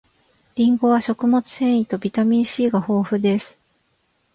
りんごは食物繊維とビタミン C が豊富です